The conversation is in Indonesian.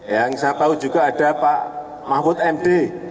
yang saya tahu juga ada pak mahfud md